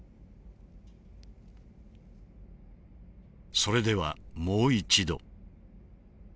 それではもう一度。